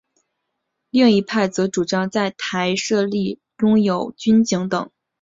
另一派则主张在台设立拥有军警等特别公权力的特别行政区。